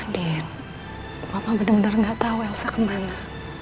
din mama bener bener gak tahu elsa kemana